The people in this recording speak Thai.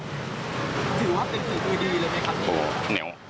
ถือว่าเป็นฝีมือดีเลยไหมครับ